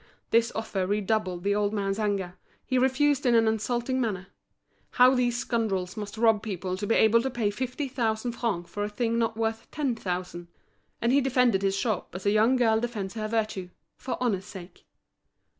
This offer redoubled the old man's anger; he refused in an insulting manner. How these scoundrels must rob people to be able to pay fifty thousand francs for a thing not worth ten thousand. And he defended his shop as a young girl defends her virtue, for honour's sake.